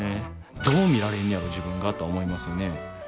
どう見られんねやろ自分がとは思いますよね。